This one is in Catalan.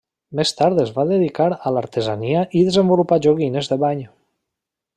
Més tard es va dedicar a l'artesania i desenvolupà joguines de bany.